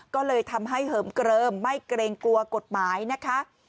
ก็เลยทำให้เหิมเกลิมไม่เกรงกลัวกฎหมายนะคะ